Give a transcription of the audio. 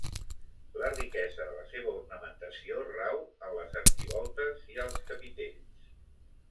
La riquesa de la seva ornamentació rau en les arquivoltes i els capitells.